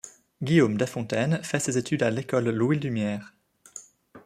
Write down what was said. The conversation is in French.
Guillaume Deffontaines fait ses études à l'École Louis-Lumière.